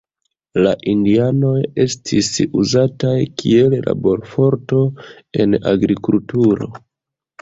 La indianoj estis uzataj kiel laborforto en agrikulturo.